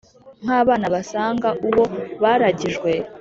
nk’abana basanga uwo baragijwe